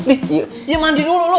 ih ya mandi dulu lo